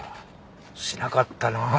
しなかったなあ。